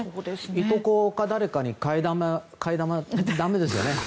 いとこか誰かに替え玉はだめですよね。